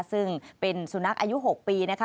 ซึ่งเป็นสุนัขอายุ๖ปีนะคะ